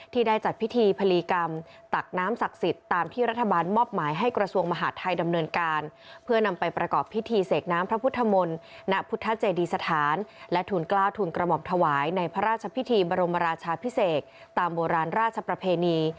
ถวายในพระราชพิธีรมรราชาพิเศษตามโบราณราชประเพนี